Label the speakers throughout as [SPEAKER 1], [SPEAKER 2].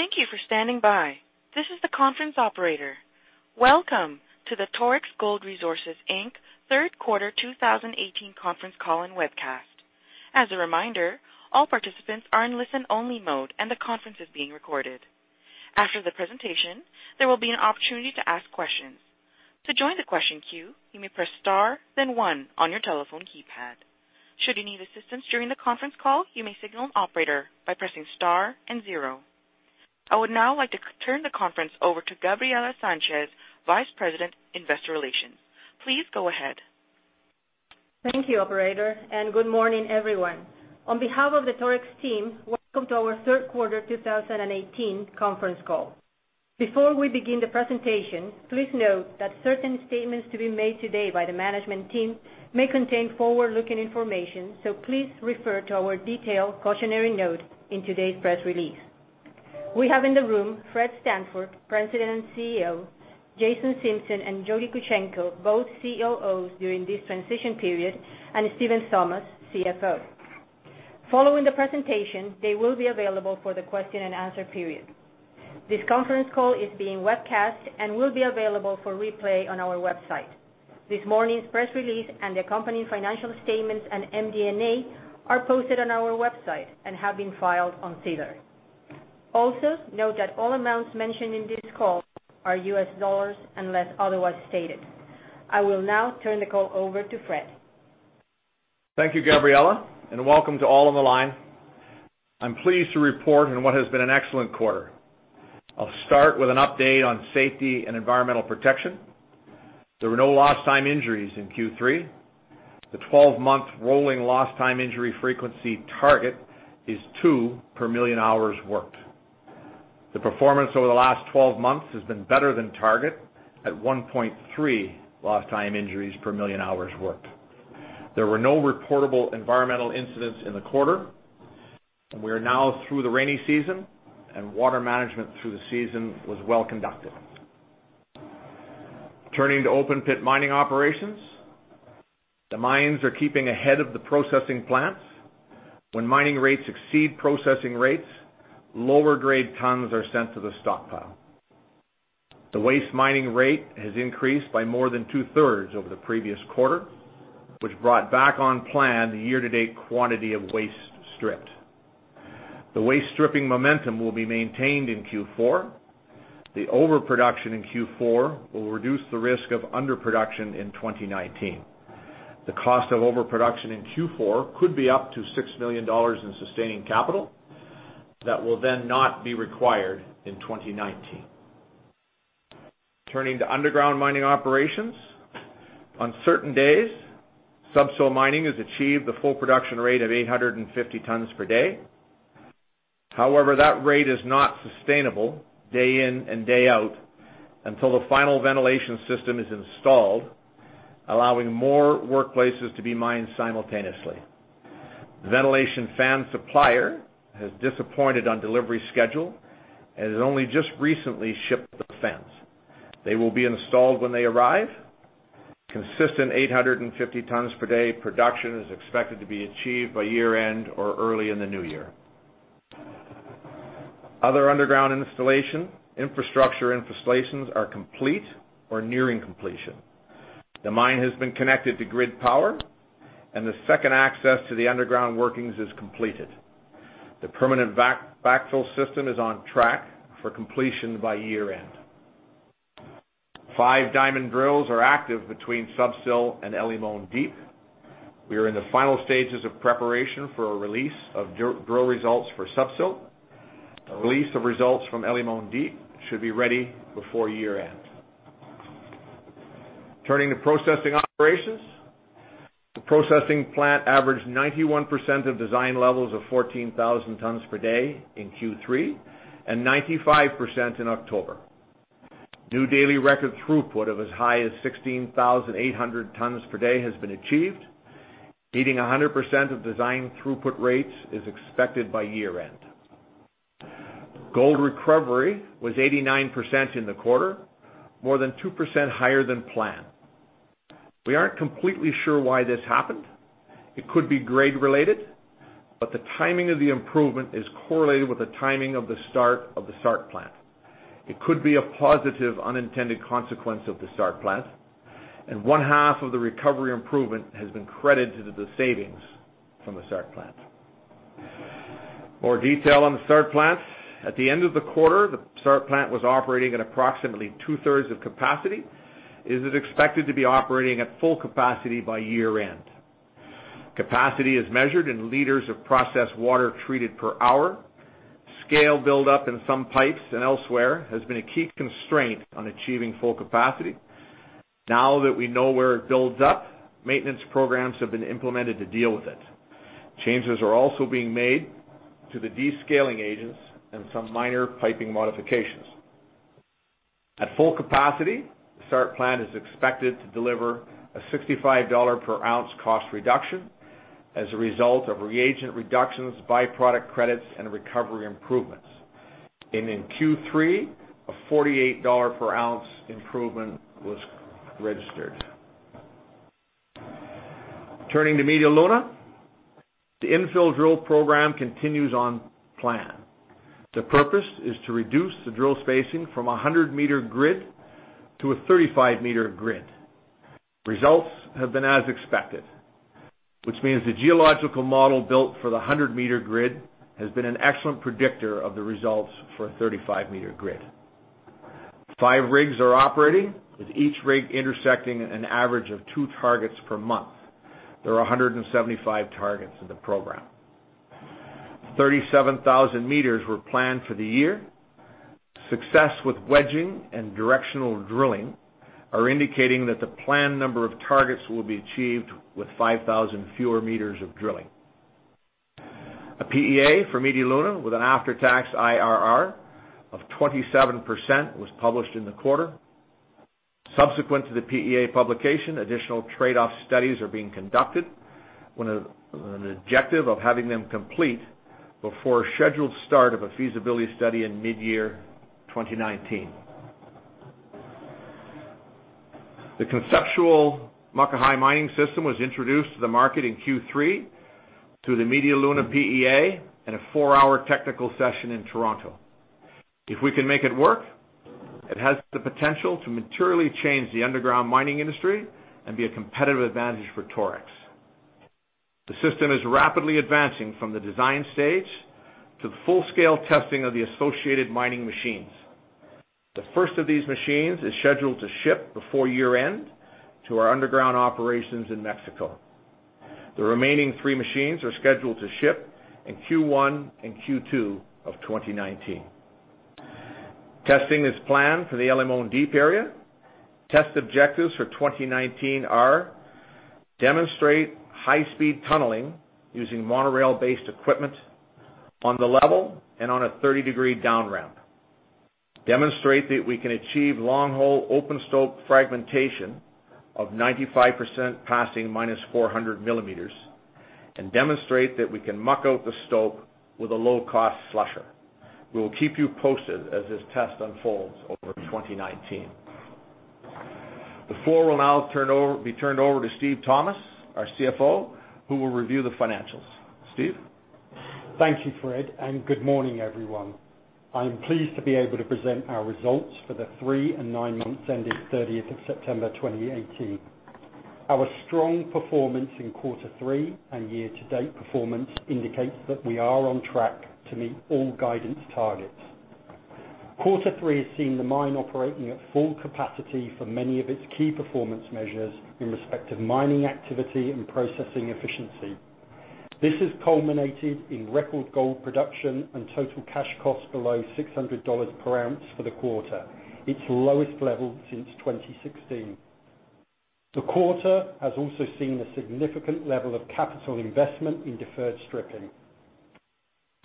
[SPEAKER 1] Thank you for standing by. This is the conference operator. Welcome to the Torex Gold Resources Inc. Third Quarter 2018 conference call and webcast. As a reminder, all participants are in listen only mode, and the conference is being recorded. After the presentation, there will be an opportunity to ask questions. To join the question queue, you may press star then one on your telephone keypad. Should you need assistance during the conference call, you may signal an operator by pressing star and zero. I would now like to turn the conference over to Gabriela Sanchez, Vice President, Investor Relations. Please go ahead.
[SPEAKER 2] Good morning, everyone. On behalf of the Torex team, welcome to our third quarter 2018 conference call. Before we begin the presentation, please note that certain statements to be made today by the management team may contain forward-looking information, please refer to our detailed cautionary note in today's press release. We have in the room Fred Stanford, President and CEO, Jason Simpson and Jody Kuzenko, both COOs during this transition period, and Steven Thomas, CFO. Following the presentation, they will be available for the question and answer period. This conference call is being webcast and will be available for replay on our website. This morning's press release and the accompanying financial statements and MD&A are posted on our website and have been filed on SEDAR. Note that all amounts mentioned in this call are US dollars unless otherwise stated. I will now turn the call over to Fred.
[SPEAKER 3] Thank you, Gabriela, welcome to all on the line. I am pleased to report on what has been an excellent quarter. I will start with an update on safety and environmental protection. There were no lost time injuries in Q3. The 12-month rolling lost time injury frequency target is two per million hours worked. The performance over the last 12 months has been better than target at 1.3 lost time injuries per million hours worked. There were no reportable environmental incidents in the quarter. We are now through the rainy season, water management through the season was well conducted. Turning to open pit mining operations. The mines are keeping ahead of the processing plants. When mining rates exceed processing rates, lower grade tons are sent to the stockpile. The waste mining rate has increased by more than two-thirds over the previous quarter, which brought back on plan the year to date quantity of waste stripped. The waste stripping momentum will be maintained in Q4. The overproduction in Q4 will reduce the risk of underproduction in 2019. The cost of overproduction in Q4 could be up to $6 million in sustaining capital that will then not be required in 2019. Turning to underground mining operations. On certain days, Sub-Sill mining has achieved the full production rate of 850 tons per day. However, that rate is not sustainable day in and day out until the final ventilation system is installed, allowing more workplaces to be mined simultaneously. The ventilation fan supplier has disappointed on delivery schedule and has only just recently shipped the fans. They will be installed when they arrive. Consistent 850 tons per day production is expected to be achieved by year end or early in the new year. Other underground infrastructure installations are complete or nearing completion. The mine has been connected to grid power, and the second access to the underground workings is completed. The permanent backfill system is on track for completion by year end. Five diamond drills are active between Sub-Sill and El Limón Deep. We are in the final stages of preparation for a release of drill results for Sub-Sill. A release of results from El Limón Deep should be ready before year end. Turning to processing operations. The processing plant averaged 91% of design levels of 14,000 tons per day in Q3 and 95% in October. New daily record throughput of as high as 16,800 tons per day has been achieved. Hitting 100% of design throughput rates is expected by year end. Gold recovery was 89% in the quarter, more than 2% higher than planned. We aren't completely sure why this happened. It could be grade related, but the timing of the improvement is correlated with the timing of the start of the SART plant. It could be a positive unintended consequence of the SART plant, and one half of the recovery improvement has been credited to the savings from the SART plant. More detail on the SART plant. At the end of the quarter, the SART plant was operating at approximately two-thirds of capacity. It is expected to be operating at full capacity by year end. Capacity is measured in liters of processed water treated per hour. Scale buildup in some pipes and elsewhere has been a key constraint on achieving full capacity. Now that we know where it builds up, maintenance programs have been implemented to deal with it. Changes are also being made to the descaling agents and some minor piping modifications. At full capacity, the SART plant is expected to deliver a $65 per ounce cost reduction as a result of reagent reductions, byproduct credits, and recovery improvements. In Q3, a $48 per ounce improvement was registered. Turning to Media Luna, the infill drill program continues on plan. The purpose is to reduce the drill spacing from 100-meter grid to a 35-meter grid. Results have been as expected, which means the geological model built for the 100-meter grid has been an excellent predictor of the results for a 35-meter grid. Five rigs are operating, with each rig intersecting an average of two targets per month. There are 175 targets in the program. 37,000 meters were planned for the year. Success with wedging and directional drilling are indicating that the planned number of targets will be achieved with 5,000 fewer meters of drilling. A PEA for Media Luna with an after-tax IRR of 27% was published in the quarter. Subsequent to the PEA publication, additional trade-off studies are being conducted with an objective of having them complete before scheduled start of a feasibility study in mid-year 2019. The conceptual Muckahi mining system was introduced to the market in Q3 through the Media Luna PEA and a four-hour technical session in Toronto. If we can make it work, it has the potential to materially change the underground mining industry and be a competitive advantage for Torex. The system is rapidly advancing from the design stage to the full-scale testing of the associated mining machines. The first of these machines is scheduled to ship before year-end to our underground operations in Mexico. The remaining three machines are scheduled to ship in Q1 and Q2 of 2019. Testing is planned for the El Limón Deep area. Test objectives for 2019 are demonstrate high-speed tunneling using monorail-based equipment on the level and on a 30-degree down ramp. Demonstrate that we can achieve long-hole open stope fragmentation of 95% passing -400 millimeters, and demonstrate that we can muck out the stope with a low-cost slusher. We will keep you posted as this test unfolds over 2019. The floor will now be turned over to Steven Thomas, our CFO, who will review the financials. Steve?
[SPEAKER 4] Thank you, Fred, and good morning, everyone. I am pleased to be able to present our results for the three and nine months ending 30th of September 2018. Our strong performance in quarter three and year-to-date performance indicates that we are on track to meet all guidance targets. Quarter three has seen the mine operating at full capacity for many of its key performance measures in respect of mining activity and processing efficiency. This has culminated in record gold production and total cash costs below $600 per ounce for the quarter, its lowest level since 2016. The quarter has also seen a significant level of capital investment in deferred stripping.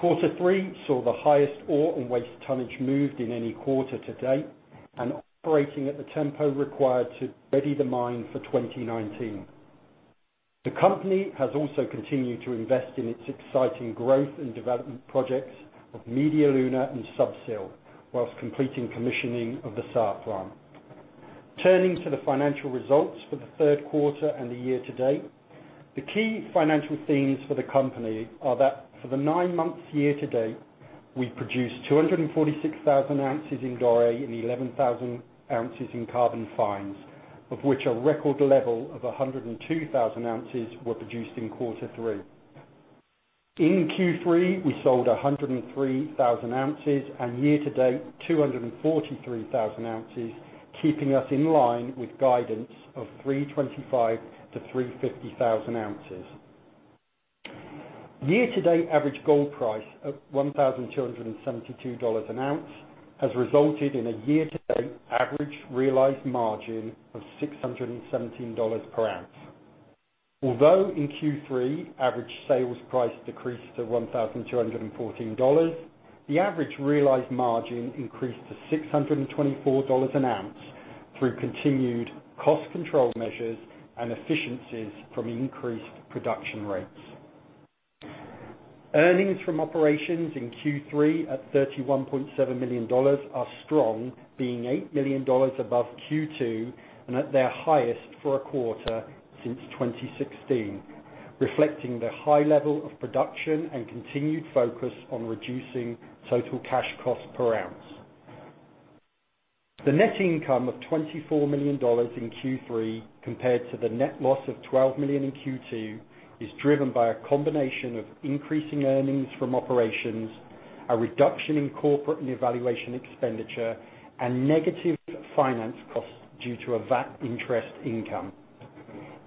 [SPEAKER 4] Quarter three saw the highest ore and waste tonnage moved in any quarter to date and operating at the tempo required to ready the mine for 2019. The company has also continued to invest in its exciting growth and development projects of Media Luna and Sub-Sill whilst completing commissioning of the SART plant. Turning to the financial results for the third quarter and the year to date, the key financial themes for the company are that for the nine months year to date, we produced 246,000 ounces in Doré and 11,000 ounces in carbon fines, of which a record level of 102,000 ounces were produced in quarter three. In Q3, we sold 103,000 ounces, and year to date, 243,000 ounces, keeping us in line with guidance of 325,000-350,000 ounces. Year to date average gold price of $1,272 an ounce has resulted in a year-to-date average realized margin of $617 per ounce. Although in Q3, average sales price decreased to $1,214, the average realized margin increased to $624 an ounce through continued cost control measures and efficiencies from increased production rates. Earnings from operations in Q3 at $31.7 million are strong, being $8 million above Q2 and at their highest for a quarter since 2016, reflecting the high level of production and continued focus on reducing total cash cost per ounce. The net income of $24 million in Q3 compared to the net loss of $12 million in Q2 is driven by a combination of increasing earnings from operations, a reduction in corporate and evaluation expenditure, and negative finance costs due to a VAT interest income.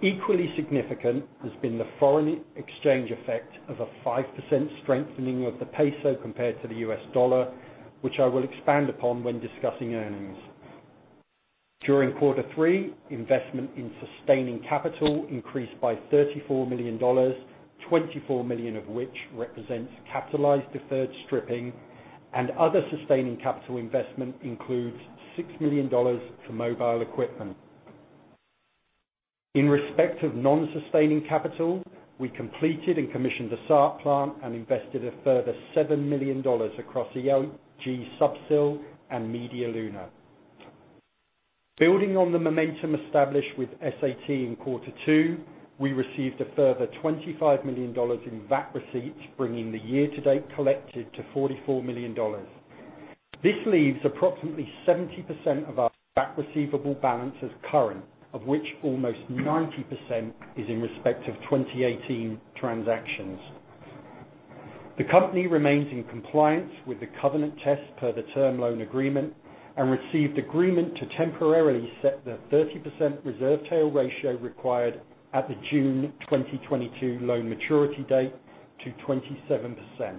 [SPEAKER 4] Equally significant has been the foreign exchange effect of a 5% strengthening of the peso compared to the US dollar, which I will expand upon when discussing earnings. During Quarter Three, investment in sustaining capital increased by $34 million, $24 million of which represents capitalized deferred stripping, and other sustaining capital investment includes $6 million for mobile equipment. In respect of non-sustaining capital, we completed and commissioned the SART plant and invested a further $7 million across ELG Sub-Sill and Media Luna. Building on the momentum established with SAT in Quarter Two, we received a further $25 million in VAT receipts, bringing the year-to-date collected to $44 million. This leaves approximately 70% of our VAT receivable balance as current, of which almost 90% is in respect of 2018 transactions. The company remains in compliance with the covenant test per the term loan agreement and received agreement to temporarily set the 30% reserve tail ratio required at the June 2022 loan maturity date to 27%.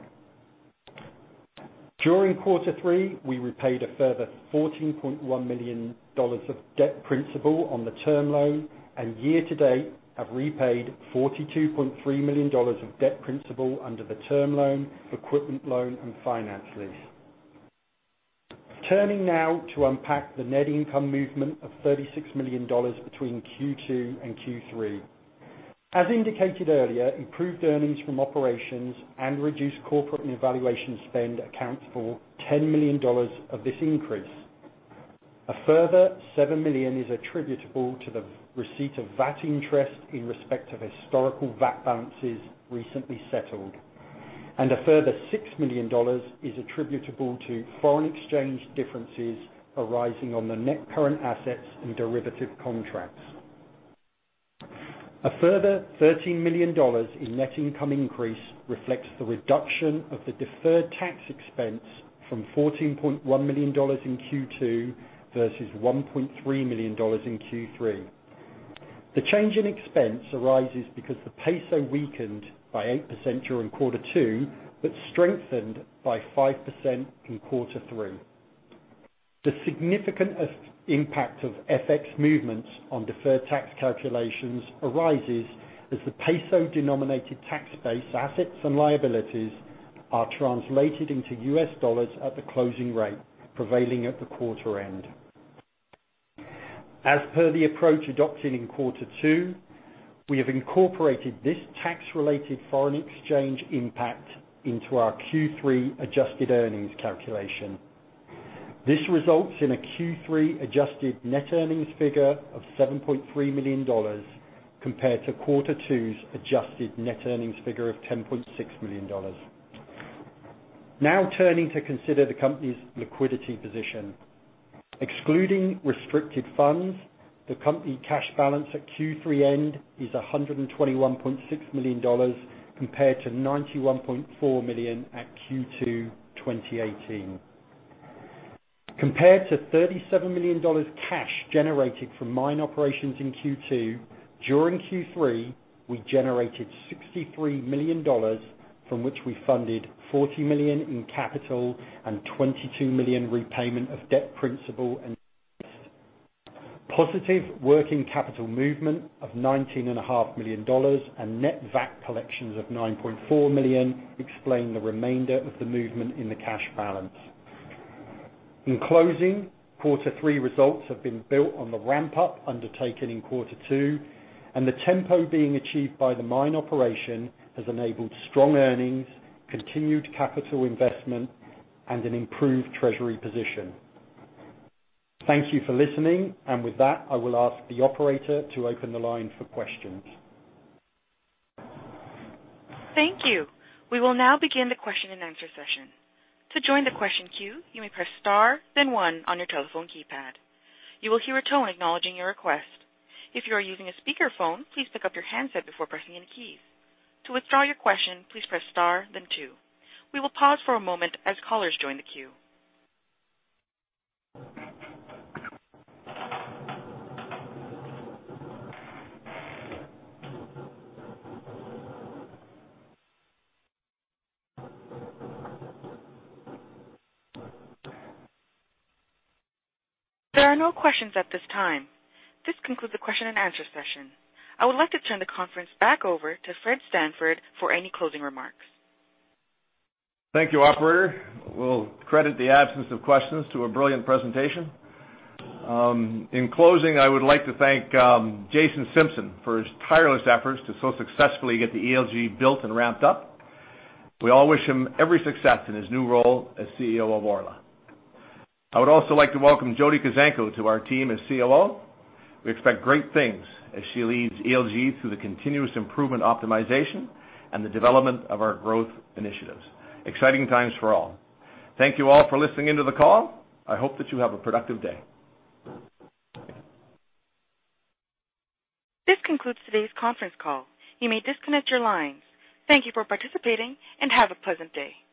[SPEAKER 4] During Quarter Three, we repaid a further $14.1 million of debt principal on the term loan, and year-to-date have repaid $42.3 million of debt principal under the term loan, equipment loan, and finance lease. Turning now to unpack the net income movement of $36 million between Q2 and Q3. As indicated earlier, improved earnings from operations and reduced corporate and evaluation spend accounts for $10 million of this increase. A further $7 million is attributable to the receipt of VAT interest in respect of historical VAT balances recently settled. A further $6 million is attributable to foreign exchange differences arising on the net current assets and derivative contracts. A further $13 million in net income increase reflects the reduction of the deferred tax expense from $14.1 million in Q2 versus $1.3 million in Q3. The change in expense arises because the peso weakened by 8% during Quarter Two, but strengthened by 5% in Quarter Three. The significant impact of FX movements on deferred tax calculations arises as the peso-denominated tax base assets and liabilities are translated into US dollars at the closing rate prevailing at the quarter end. As per the approach adopted in Quarter Two, we have incorporated this tax-related foreign exchange impact into our Q3 adjusted earnings calculation. This results in a Q3 adjusted net earnings figure of $7.3 million compared to Quarter Two's adjusted net earnings figure of $10.6 million. Now turning to consider the company's liquidity position. Excluding restricted funds, the company cash balance at Q3 end is $121.6 million, compared to $91.4 million at Q2 2018. Compared to $37 million cash generated from mine operations in Q2, during Q3, we generated $63 million, from which we funded 40 million in capital and 22 million repayment of debt principal and interest. Positive working capital movement of $19.5 million and net VAT collections of 9.4 million explain the remainder of the movement in the cash balance. In closing, Quarter Three results have been built on the ramp-up undertaken in Quarter Two, and the tempo being achieved by the mine operation has enabled strong earnings, continued capital investment, and an improved treasury position. Thank you for listening. With that, I will ask the operator to open the line for questions.
[SPEAKER 1] Thank you. We will now begin the question and answer session. To join the question queue, you may press star 1 on your telephone keypad. You will hear a tone acknowledging your request. If you are using a speakerphone, please pick up your handset before pressing any keys. To withdraw your question, please press star 2. We will pause for a moment as callers join the queue. There are no questions at this time. This concludes the question and answer session. I would like to turn the conference back over to Fred Stanford for any closing remarks.
[SPEAKER 3] Thank you, operator. We'll credit the absence of questions to a brilliant presentation. In closing, I would like to thank Jason Simpson for his tireless efforts to so successfully get the ELG built and ramped up. We all wish him every success in his new role as CEO of Orla. I would also like to welcome Jody Kuzenko to our team as COO. We expect great things as she leads ELG through the continuous improvement optimization and the development of our growth initiatives. Exciting times for all. Thank you all for listening in to the call. I hope that you have a productive day.
[SPEAKER 1] This concludes today's conference call. You may disconnect your lines. Thank you for participating, and have a pleasant day.